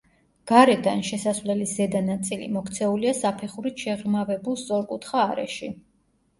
გარედან, შესასვლელის ზედა ნაწილი, მოქცეულია საფეხურით შეღრმავებულ, სწორკუთხა არეში.